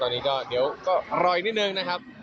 ตอนนี้ก็เดี๋ยวก็รออีกนิดนึงนะครับ